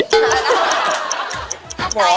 พระเจ้าตากศิลป์